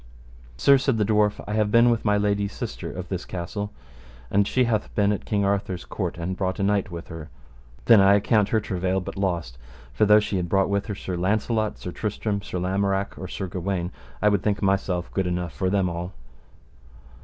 Sir, said the dwarf, I have been with my lady's sister of this castle, and she hath been at King Arthur's court, and brought a knight with her. Then I account her travail but lost; for though she had brought with her Sir Launcelot, Sir Tristram, Sir Lamorak, or Sir Gawaine, I would think myself good enough for them all.